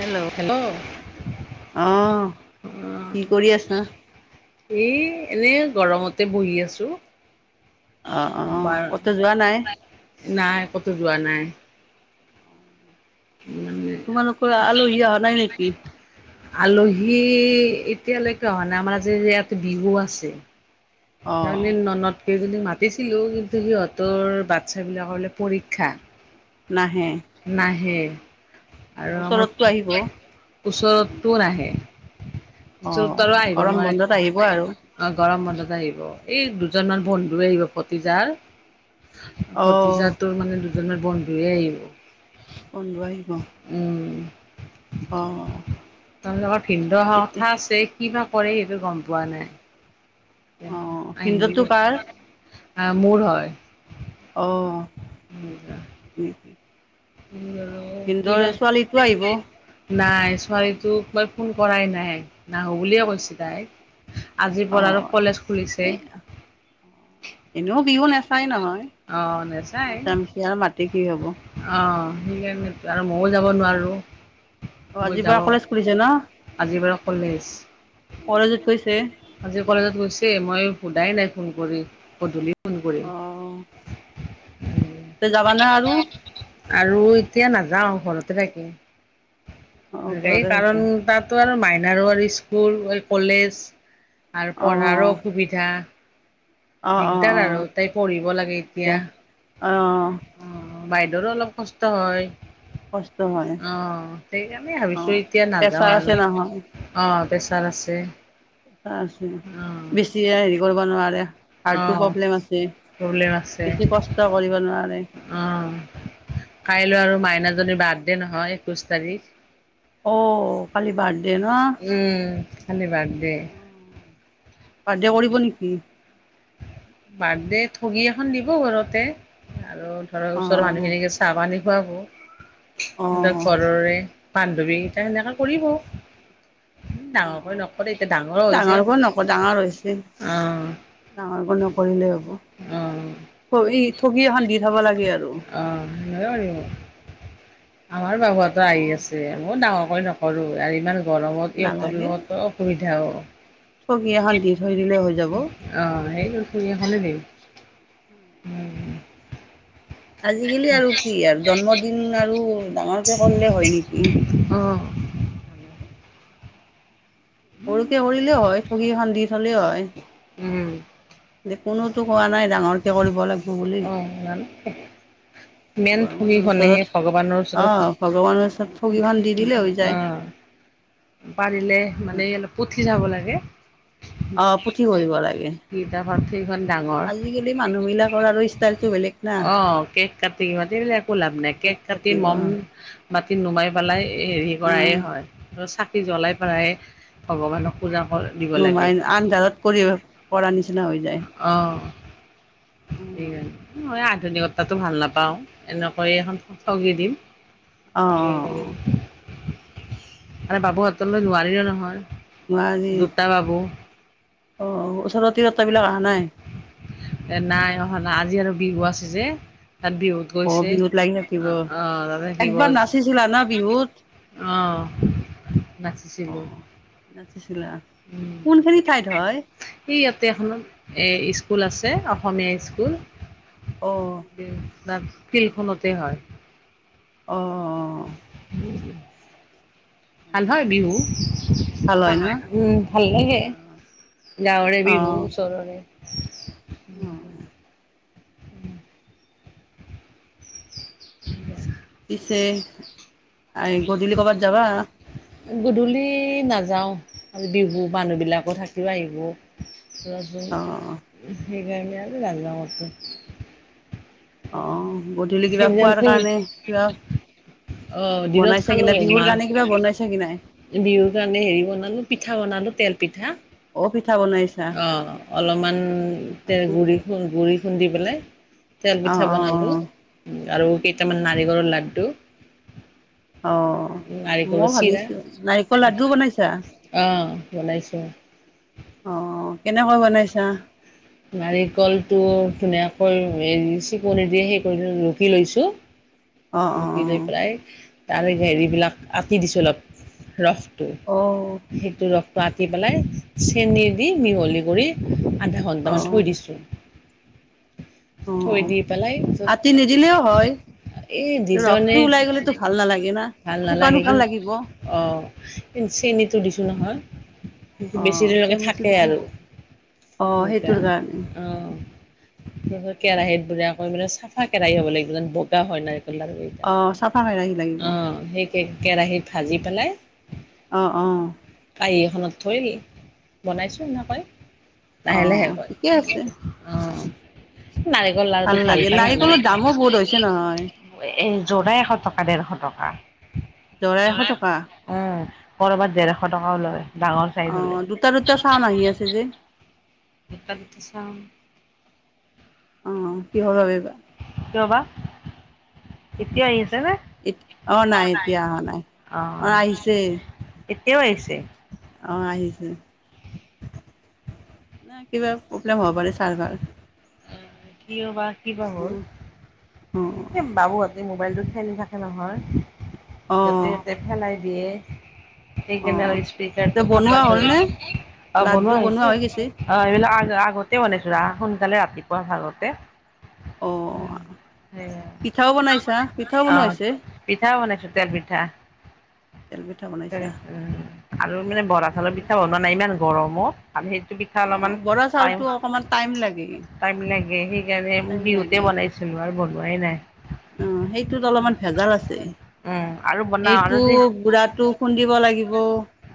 Hello অঁহ কি কৰি আছা? ই এনে গৰমতে বহি আছো। অ অ বাৰু, ক'তো যোৱা নাই নাই ক'তো যোৱা নাই। [unintelligible] কোৱা আলহী অহা নাই নেকি? আলহী এতিয়ালৈকে অহা নাই, আমাৰ যে ইয়াত বিহু আছে। অ তাৰে ননত কেইজনী মাতিছিলোঁ কিন্তু সিহঁতৰ বাচ্ছা বিলাকৰলে পৰীক্ষা। নাহে। নাহে আৰু আমাৰ ওচৰততো আহিব ওচৰতো নাহে, অ ওচৰতো আৰু আহিব গৰম বন্ধত আহিব নোৱাৰে। আৰু অঁ গৰম বন্ধত আহিব, এই দুজনমান বন্ধু আহিব ভতিজাৰ। অ ভতিজা তোৰ মানে দুজনৰ বন্ধুয়ে আহিব। বন্ধু আহিব। উম। অঁ। তেওঁলোকৰ ভিনদৌ অহা কথা আছে, কি বা কৰে সেইটো গম পোৱা নাই। অ আহিম ভিনদেউটো কাৰ [inaudible] অঁ মোৰ হয়। অ। [inaudible] ভিনদৌৰ কিবা ছোৱালীটো আহিব। নাই ছোৱালী তোক মই ফোন কৰাই নাই, নাহো বুলিয়ে কৈছে তাই। আজিৰ অ পৰা আৰু কলেজ খুলিছে। এ এনেও বিহু নাচায় নহয়, অ' নাযায় মিছা মিছি আৰু মাতি কি হব। অ সেইকাৰণেতো আৰু ময়ো যাব নোৱাৰোঁ। অ মই আজিৰ পৰা যাব, কলেজ খুলিছে ন আজি বাৰু কলেজ। কলেজত কৈছে। আজি কলেজত গৈছে মই সোধাই নাই ফোন কৰি, গধূলি ফোন কৰিম। অ তই যাবা না আৰু? আৰু এতিয়া নাযাওঁ ঘৰতে থাকিম, অ এই ঘৰতে থাকিবা কাৰণ তাত তো আৰু মাইনাৰো আৰু স্কুল কলেজ আৰু অ পঢ়াৰো অসুবিধা। অ অ দিগদাৰ অ আৰু তাই পঢ়িব লাগে এতিয়া। দিয়া অ বাইদেউৰো অলপ কষ্ট হয়। কষ্ট হয় অঁ সেইকাৰণেই অ ভাবিছো এতিয়া প্ৰেছাৰ নাযাওঁ আছে আৰু। নহয় অঁ পেছাৰ আছে। আছে অ বেছি হেৰি কৰিব নোৱাৰে। অ হাৰ্টো প্ৰব্লেম আছে প্ৰব্লেম বেছি কষ্ট কৰিব নোৱাৰে। অঁ কাইলৈ আৰু মাইনাজনীৰ বাৰ্থডে নহয়, একৈশ তাৰিখ। অ কালি বাৰ্থডে ন। উম কালি বাৰ্থডে। বাৰ্থডে কৰিব নেকি? বাৰ্থডে ঠগী এখন দিব ঘৰতে আৰু ধৰ অ ওচৰৰ মানুহখিনিকে চাহ-পানী অ খুৱাব অ ঘৰৰে বান্ধৱীকেইটা সেনেকা কৰিব। উম, অ ডাঙৰকৈ নকৰে এতিয়া ডাঙৰ ডাঙৰকৈ নক হৈছে, অ'। ডাঙৰ কে নকৰিলেই হ'ব, অ', থ-ঠগি এখন দি থ'ব লাগে আৰু। অ', এনেকেই কৰিব আমাৰ বাবুহটো অ আহি আছে মই ডাঙৰ কৰি নক কৰোঁ আৰু ইমান গৰমত ইহঁতৰ নালাগে লগতো অসুবিধাও। ঠগি এখন দি থৈ দিলে হৈ যাব। অ', এইটো ঠগি এখনেই দিম উম। আজিকালি আৰু কি আৰু জন্মদিন আৰু ডাঙৰকে কৰিলে হয় নেকি? অ'। সৰুকে কৰিলেও হয়, ঠগী এখন দি থ'লেও হয়। উম। কোনোতো কোৱা নাই ডাঙৰকে কৰিব লাগিব বুলি। [unintelligible] মেইন ঠগী ভগৱানৰ খনেই ওচৰত সেই ভগৱানৰ ওচৰত অ' ভগৱানৰ ওচৰত ঠগিখন দি দিলে হৈ যায়। আহ। পাৰিলে মানে অলপ পঠি যাব লাগে। অ' পুথি কৰিব লাগে। [unintelligible] সেইখন ডাঙৰ মানুহ বিলাকৰ আৰু ষ্টাইলটো বেলেগ। না অ', কেক কাটি মাটি পেলাই একো লাভ নাই, কেক কাটি কাটিব ম'ম অ' বাতি নুমাই পেলাই হেৰি কৰাই হয় আৰু চাকি জ্বলাই পেলাই ভগৱানক পূজা কৰে। নুমাই আন্ধাৰত কৰিব পৰা নিচিনা হৈ যায়। অ', এই আধুনিক তাতো ভাল নাপাওঁ এনেকৈ এখন ঠগি দিম [unintelligible] অ' অ' [unintelligible] মানে বাবু হতলৈ নোৱাৰিলো নহয়। নোৱাৰি দুটা বাবু অ', ওচৰত তিৰতা বিলাক অহা নাই? এ নাই অহা নাই আজি হেটৰ বিহু আছে যে তাত বিহু অ গৈছে বিহুত লাগি থাকিব অ', অ', তাতে একবাৰ নাচিছিলা না [unintelligible] বিহুত অ', অ নাচিছিলোঁ। নাচিছিলা, উম। কোনখিনি ঠাইত হয়? সেই ইয়াতে এখনত এ স্কুল আছে অসমীয়া স্কুল। অ'। [unintelligible] তাত ফিল্ড খনতে হয়। অ', অ'। বুজিলোঁ। ভাল হয়, বিহু, ভাল হয় ন উম, ভাল লাগে। গাঁৱৰে অ বিহু ওচৰৰে। অ'। [unintelligible] পিছে আই, গধূলি কৰ'বাত যাবা? গধূলি নাযাওঁ আজি বিহু মানুহবিলাকো থাকিব আহিব। সেই অ সেই কাৰণে আজি নাযাওঁ ক'তো। অ', গধূলি কিবা সেইদিনাখন খোৱাৰ ফুল কিবা অ দিনত বনাইছা কি খালো নাই বিহুৰ মাছ কাৰণে কিবা বনাইছা কি নাই? বিহুৰ কাৰণে হেৰি, বনালো পিঠা বনালো তেল পিঠা। অ' পিঠা বনাইছ অ' অলপমান তে গুড়ি খো গুড়ি খুন্দি পেলাই তেল অ অ পিঠা বনালো উম আৰু কেইটামান নাৰিকলৰ লাড্ডু। অ' নাৰিকলৰ মই ভাবিছোঁ, নাৰিকল লাড্ডুও বনাইছা? অ' বনাইছো। অ অ কেনেকৈ বনাইছা? নাৰিকলটো ধুনীয়াকৈ হেৰি চিকনি দিয়ে সেই কৰি ৰুকি লৈছোঁ। অ অ ৰুকি লৈ অ পেলাই তাৰে হেৰিবিলাক আতি দিছো অলপ ৰসটো। অ। সেইটো ৰসটো আতি পেলাই চেনি দি মিহলি কৰি আধা ঘন্টামান অ', থই দিছো। থৈ অ', দি পেলাই। আতি নিদিলেও [unintelligible] হয়। এই ৰসটো ওলাই [unintelligible] গ'লেতো ভাল নালাগে না। ভাল শুকান নালাগে শুকান কিন লাগিব। অ চেনিটো দিছোঁ নহয়। বেছি অ', দেৰিলৈকে চেনিটো থাকে দিলে আৰু অ', এনেকুৱা সেইটোৰ কাৰণে অ। [unintelligible] কেৰাহীত [unintelligible] পেলাই চাফা কেৰাহী হ'ব লাগিব যেন বগা হয় নাৰিকল লাৰু। অ' চাফা কেৰাহী লাগিব। কে-কেৰাহীত ভাজি পেলাই অ' অ'। কাঁহী এখনত থৈ বনাইছো এনেকৈ। লাহে লাহে অ', কয় ঠিকে আছে [unintelligible] অ'। নাৰিকল লাৰুটো ভাল লাগে পায় মানুহে। নাৰিকলৰ [inaudible] এই জোৰা এশ টকা ডেৰশ টকা। জোৰা এশ টকা। উম কৰ'বাত ডেৰশ টকাও লয়। ডাঙৰ চাইজ অ হলে দুটা দুটা চাউণ্ড আহি আছে যে। দুটা দুটা চাউণ্ড অ [unintelligible] কিয় বা? এতিয়া আহিছে নে? অ', নাই এতিয়া অহা নাই। অ এতিয়াও আহিছে? অ আহিছে। নে কিবা প্ৰব্লেম হ'ব পাৰে ছাৰভাৰ। কিয় বা অ এ বাবুহতে মোবাইলটো খেলি থাকে নহয়, য'তে অ', ত'তে পেলাই দিয়ে। সেইদিনা অ', আৰু তে স্পিকাৰটো বনোৱা ফটাই হ'লনে? থৈছে, অ লাড্ডু বনোৱা হৈছে। হৈ গৈছে? অ এইবিলাক আগ-আগতে বনাইছো ৰ সোনকালে ৰাতিপুৱা ভাগতে। অ সেয়া পিঠাও বনাইছা? পিঠাও অ বনাৱা হৈছে? পিঠা বনাইছো তেল পিঠা। তেল পিঠা বনাইছা? আৰু মানে বৰা চাউলৰ পিঠা বনোৱা নাই ইমান গৰমত আৰু সেই অ বৰা চাউলটো অকমান টাইম লাগে। টাইম লাগে সেইকাৰণে টাইম বিহুতে লাগে। বনাইছিলোঁ আৰু বনোৱাই নাই। অ সেইটোত অলপমান ভেজাল আছে, উম আৰু বনাও সেইটো আৰু যে গুড়াটো খুন্দিব লাগিব।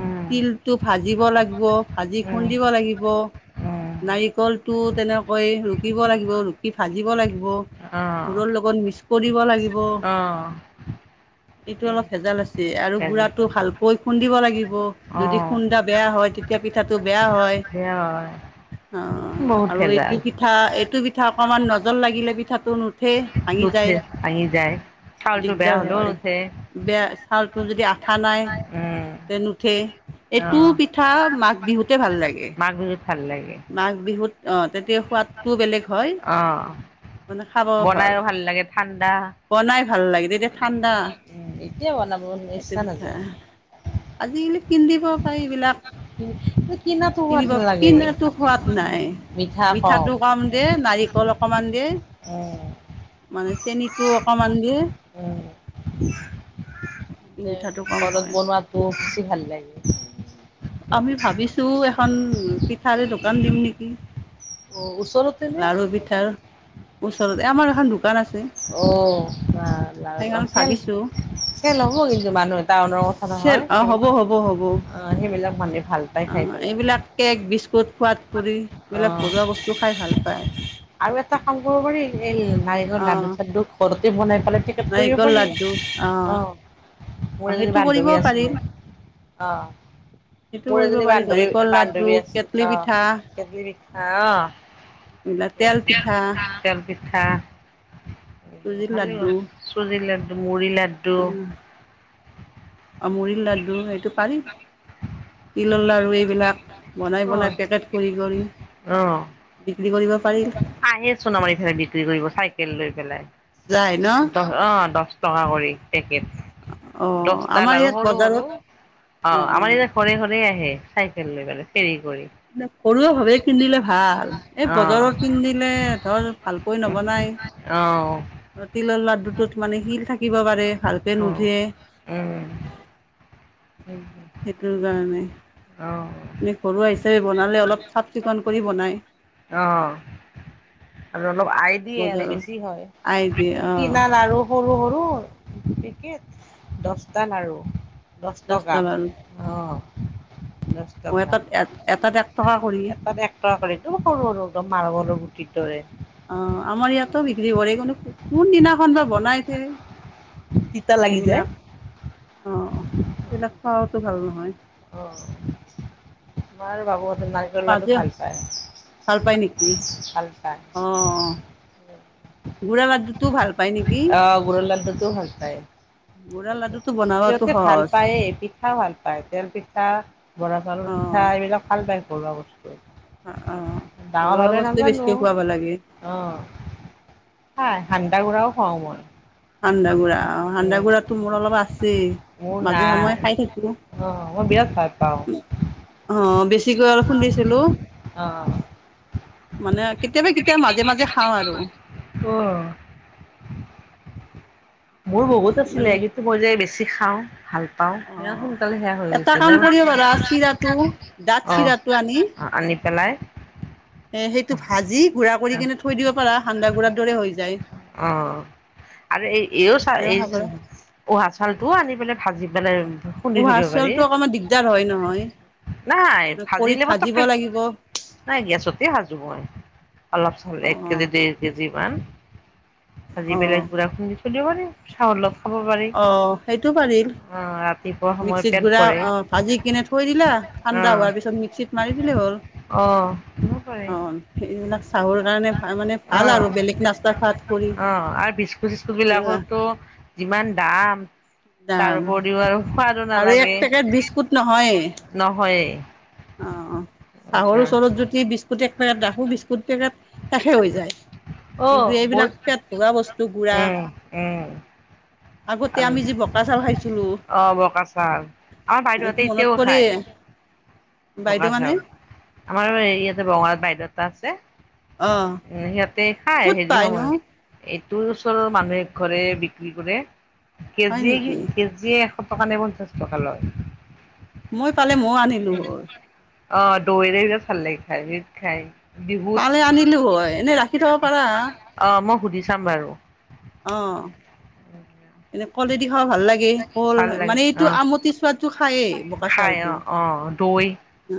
উম তিলটো ভাজিব লাগিব ভাজি উম খুন্দিব লাগিব। উম নাৰিকলটো তেনেকৈ ৰুকিব লাগিব ৰুকি ভাজিব লাগিব, গুৰৰ অঁ লগত মি কৰিব লাগিব, অঁ এইটো অলপ ভেজাল আছে আৰু ভেজা গুৰাটো ভাল কৈ খুন্দিব লাগিব, যদি অঁ খুন্দা বেয়া হয় তেতিয়া পিঠাটো বেয়া হয়। বেয়া হয় অ বহুত আৰু এইটো ভেজাল কি পিঠা এইটো পিঠা অকনমান নজল লাগিলে পিঠাটো নুঠে ভাঙি যায় ভাঙি যায় চাউলটো বেয়া দিগদাৰ হ'লেও হয়, নুঠে বেয়া চাউলটো যদি আঠা নাই। উম তে নুঠে, এইটো অঁ পিঠা মাঘ বিহুতে ভাল লাগে। মাঘ বিহুত ভাল লাগে। মাঘ বিহুত অ তেতিয়া সোৱাদটোও বেলেগ হয়। অঁ মানে খাবও ভাল, বনাইও লাগে ঠাণ্ডা বনাই ভাল লাগে এতিয়া ঠাণ্ডা উম, এতিয়া বনাব এইটো ইচ্ছা পিঠা নাযায়। আজিকালি পিন্ধিব পাই এইবিলাক। কিন্তু কিনাটো সোৱাদ কিনিব নালাগে কিনাটো সোৱাদ নাই, মিঠাটো কম দে নাৰিকল অকমান দে। উম মানে চেনীটো অকমান দে। [unintelligible] কম ঘৰত হয়। বনোৱাতো বেছি ভাল লাগে। আমি ভাবিছো এখন পিঠাৰে দোকান দিম নিকি। অ ওচৰতে নে লাৰু পিঠাৰ, ওচৰতে আমাৰ এখন দোকান আছে। অ বা বা অ সেইখনত কেল ভাবিছোঁ এতিয়া লব কিন্তু মানুহ টাউনৰ কথা চেল নহয় অ হ'ব হ'ব হ'ব অ সেইবিলাক মানুহে ভাল পাই খাই পেলাই এইবিলাক কেক বিস্কুট খোৱাত কৰি অ এইবিলাক ঘৰুৱা বস্তু খাই ভাল নাপায় আৰু এটা কাম কৰিব পাৰি এই নাৰিকলৰ অ লাডু চাডু ঘৰতে বনাই পেলাই নাৰিকল লাড্ডু [unintelligible] অ অ মোৰ এজনী সেইটো কৰিব বান্ধৱী পাৰি। আছিলে অ সেইটো মোৰ কৰিব এজনী পাৰি বান্ধৱী নাৰিকল লাড্ডু, বান্ধৱী আছে কেটলি অ পিঠা সেইজনী পায় অ তেল দিয়া পিঠা তেল পিঠা চুজিৰ চুজিলাডু মুড়িলাডু উ অ মুৰি লাড্ডু সেইটো পাৰি তিলৰ লাডু এইবিলাক বনাই হয়। বনাই পেকেট কৰি কৰি অ বিক্ৰী কৰিব পাৰি আহেছোন আমাৰ এফালে বিক্ৰী কৰিব চাইকেল লৈ যায় ন? পেলাই দহ অ দছ টকা কৰি পেকেট অ' দছটা আমাৰ লাৰু ইয়াত সৰু সৰু বজাৰত অ অ' আমাৰ ইয়াত অ' ঘৰে ঘৰে আহে চাইকেল লৈ পেলাই কেৰি কৰি ঘৰুৱা ভাৱে কিনিলে ভাল এই অ বজাৰৰ কিনিলে ধৰ ভালকৈ নবনাই অ তিলৰ লাড্ডুটোত মানে শিল থাকে থাকিব পাৰে ভালকে নুধুৱে উম হয় হয় সেইটোৰ কাৰণে অ এনে ঘৰুৱা হিচাপে বনালে অলপ চাফ চিকুণ কৰি বনায় অ আৰু অলপ আই দিয়ে আৰু বজাৰৰ বেছি হয় আই দিয়ে আ অ' কিনাৰ আৰু সৰু সৰু পেকেট দহটা লাৰু আৰু দহ টকা অঁ ও এটাত এক টকা কৰি একদম সৰু সৰু একদম মাৰবলৰ গুটিৰ দৰে অ আমাৰ ইয়াতো বিক্ৰী কৰে কিন্তু কোন দিনাখন বা বনাইছে তিতা লাগি যায় অঁ সেইবিলাক খোৱাওতো ভাল নহয় অ আমাৰ বাবুহঁতে নাৰিকল লাৰু মাজে ভাল পায়। ভাল পাই নেকি ভাল পায়। অ গু়ৰৰ লাডু তো ভাল পায় নি অ গুৰুৰ লাডু টো ভাল পায় গুড়া লাড্ডুটো বনাবতো সিহঁতে ভাল সহজ পায়ে পিঠাও ভাল পায় তেল পিঠা। বৰা চাউৰ অ পিঠা এইবিলাক ভাল পাই ঘৰুৱা বস্তু। অ ডাঙৰ ঘৰুৱা হ'লে বস্তুৱে নাজানো বেছিকে খুৱাব লাগে। অ খাই সান্দা গুড়াও খুৱাও মই সান্দা গুড়া অ এ সান্দা গুড়া টো মোৰ অলপ আছেই মোৰ মাজে সময়ে নাই খাই থাকো অ মই বিৰাট ভাল পাওঁ। আহ বেছিকৈ অলপ খুন্দিছিলো। অ মানে কেতিয়াবা কেতিয়াবা মাজে মাজে খাওঁ আৰু [inaudible] মোৰ বহুত আছিলে মানে কিন্তু মই যে বেছি খাওঁ ভাল। ইমান অ' সোনকালে শেষ হৈ এটা গৈছে কাম নে কৰিব পাৰা চিৰাটো ডাঠ অ চিৰাটো আনি আনি পেলাই। এ সেইটো ভাজি গুৰা কৰি কিনে থৈ দিব পাৰা সান্দা গুৰাৰ দৰে হৈ যায়। অঁ আৰু এই এইও চা খাব এইটো পাৰা অ উহা চাউলটো আনি পেলাই ভাজি পেলাই খুন্দি থৈ উহা দিব পাৰি চাউলটো অকণমান দিগদাৰ হয় নহয়। নাই খৰিত ভাজিলে মোৰ ত ভাজিব পে লাগিব নাই গেছতে ভাজো মই অলপ চাউল এক কেজি অ' দে কেজি মান ভাজি পেলাই অ' গুড়া খুন্দি থৈ দিব পাৰি চাহ লগ অ সেইটো পাৰিম অ হয় মিক্সিত গুড়া অ ভাজি কিনে থৈ দিলা ঠাণ্ডা হোৱাৰ পিছত মিক্সিত মাৰি দিলেই হ'ল অঁ অ এইবিলাক চাহৰ কাৰণে ভাল মানে। ভাল আৰু বেলেগ নাস্তা খোৱাত কৰি। অ আৰু বিস্কুট চিস্কুট বিলাকৰটো যিমান দাম তাৰ দাম উপৰিও আৰু সোৱাদো আৰু এক নালাগে পেকেট বিস্কুট নহয়ে। অ অ চাহৰ এতিয়া ওচৰত যদি বিচ কুট এক পেকেট ৰাখো বিস্কুট পেকট শেষে হৈ যায়। অ কিন্তু এইবিলাক বহুত পেট ভৰা বস্তু গুড়া উম উম ভাল। আগতে আমি যি ব ড়া চাউল খাইছিলো অ বকা চাউল আমাৰ এইটো বাইদেউহঁতে মনত পৰে। বঙা বাইদেউ মানে চাউল আমাৰ ইয়াতে বঙাৰ বাইদেউ এটা আছে। অ তে খাই ক'ত হেৰি পাই নো সময়ত এইটোৰ ওচৰৰ মানুহ এঘৰে বিক্ৰী কৰে। হয় কেজিয়ে নেকি? কেজি কেজিয়ে এশ টকা নে পঞ্চাছ টকা লয় মই পালে মই আনিলো হয়। অ দৈৰে যে ভাল লাগে খায় সেইটো খায়। পালে আনিলো হয় এনে ৰাখি থ'ব পাৰা। অ মই সুধি চাম বাৰু। অ এনে কলেদি খোৱা ভাল লাগে কল ভাল লাগে মানে এইটো অ আমটি চোৱাটো খায়েই খাই অ অ দৈ উ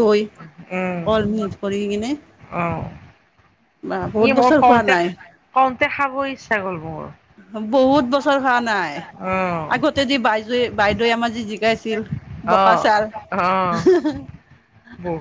দৈ উম কল মিক্স কৰি কিনে অ বা ই বহুত মোৰ বছৰ খোৱা কওতে, নাই। কওতে খাব ইচ্ছা গল মোৰ। বহুত বছৰ খোৱা নাই। অ আগতে যি বাইদেউ বাইদেৱে আমাৰ যি জিকাইছিল অ বোকা চাল অ হু হু বহুত